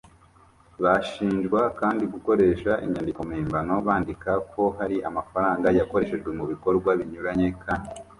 Bashinjwa kandi gukoresha inyandiko mpimbano bandika ko hari amafaranga yakoreshejwe mu bikorwa binyuranye kandi atarakoreshejwe